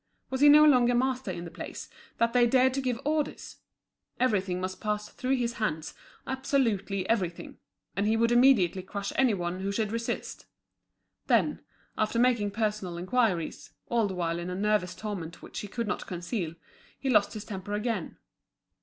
Was he no longer master in the place, that they dared to give orders? Everything must pass through his hands, absolutely everything; and he would immediately crush any one who should resist. Then, after making personal inquiries, all the while in a nervous torment which he could not conceal, he lost his temper again.